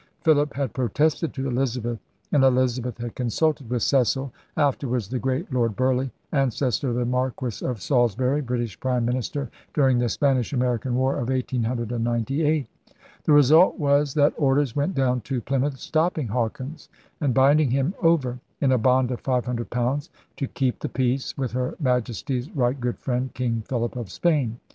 Philip had protested to Eliza beth, and Elizabeth had consulted with Cecil, afterwards *the great Lord Burleigh,' ancestor of the Marquis of Salisbury, British Prime Minister during the Spanish American War of 1898. The result was that orders went down to Plymouth stopping Hawkins and binding him over, in a bond of five hundred pounds, to keep the peace with Her Majesty's right good friend King Philip of Spain.